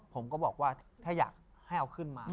ผมก็บอกว่าถ้าอยากให้เอาขึ้นมา